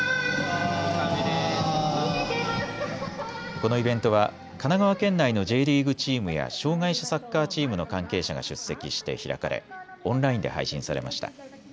このイベントは神奈川県内のＪリーグチームや障害者サッカーチームの関係者が出席して開かれオンラインで配信されました。